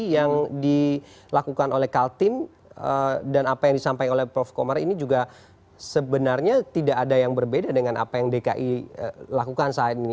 yang dilakukan oleh kaltim dan apa yang disampaikan oleh prof komar ini juga sebenarnya tidak ada yang berbeda dengan apa yang dki lakukan saat ini